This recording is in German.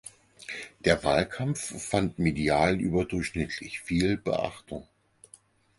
Der Wahlkampf fand medial überdurchschnittlich viel Beachtung.